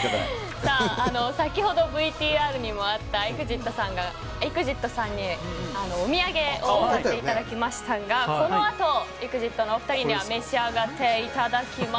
先ほどＶＴＲにもあったＥＸＩＴさんにおみやげを買っていただきましたがこのあと、ＥＸＩＴのお二人には召し上がっていただきます。